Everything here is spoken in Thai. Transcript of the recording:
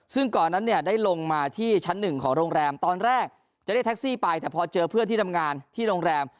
ซึ่งก่อนนั้นเนี่ยได้ลงมาที่ชั้นหนึ่งของโรงแรมตอนแรกจะเรียกแท็กซี่ไปแต่พอเจอเพื่อนที่ทำงานที่โรงแรม